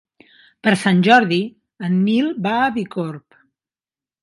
Per Sant Jordi en Nil va a Bicorb.